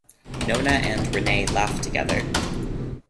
Nona and Renee laugh together.